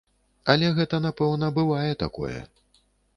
Але гэта, напэўна, бывае такое.